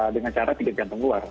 dengan cara tiket jantung luar